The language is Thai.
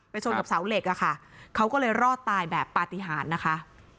ชนกับเสาเหล็กอะค่ะเขาก็เลยรอดตายแบบปฏิหารนะคะ